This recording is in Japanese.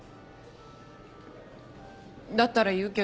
だったら言うけど。